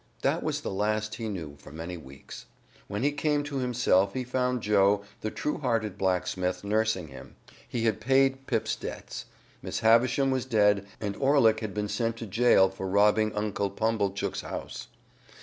That was the last he knew for many weeks. When he came to himself he found Joe, the true hearted blacksmith, nursing him. He had paid Pip's debts. Miss Havisham was dead and Orlick had been sent to jail for robbing Uncle Pumblechook's house.